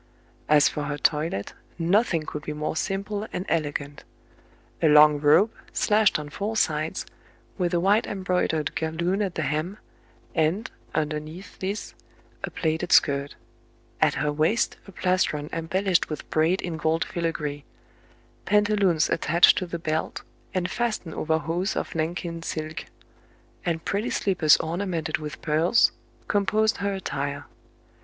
As for her toilet, nothing could be more simple and elegant. A long robe, slashed on four sides, with a wide embroidered galloon at the hem, and, underneath this, a plaited skirt ; at her waist a plastron embellished with braid in gold filagree ; pantaloons attached to the belt, and fastened over hose of Nankin silk ; and pretty slippers orna mented with pearls, composed her attire.